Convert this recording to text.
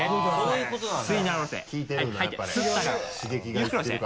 ゆっくり下ろして。